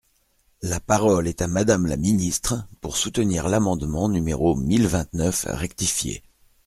La parole est à Madame la ministre, pour soutenir l’amendement numéro mille vingt-neuf rectifié.